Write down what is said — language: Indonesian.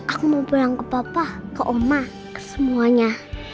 aku mau pulang ke papa ke oma ke semuanya